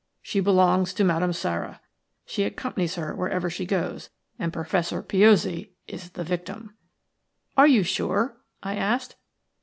She belongs to Madame Sara; she accompanies her wherever she goes, and Professor Piozzi is the victim." "Are you sure?" I asked.